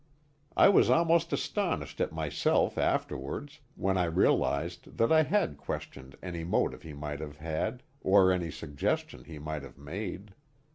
I was almost astonished at myself afterwards, when I realized that I had questioned any motive he might have had, or any suggestion he might have made.